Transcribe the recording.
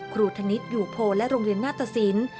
ครูธนิษฐ์อยู่โพลและโรงเรียนนาฏศิลป์